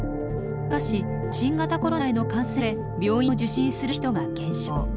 しかし新型コロナへの感染を恐れ病院を受診する人が減少。